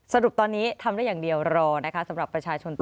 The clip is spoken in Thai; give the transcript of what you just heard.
สรุปตอนนี้ทำได้อย่างเดียวรอนะคะสำหรับประชาชนตัว